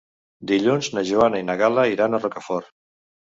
Dilluns na Joana i na Gal·la iran a Rocafort.